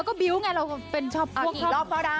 กับเพลงที่มีชื่อว่ากี่รอบก็ได้